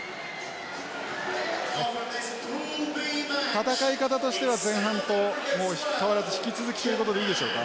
戦い方としては前半ともう変わらず引き続きということでいいでしょうか？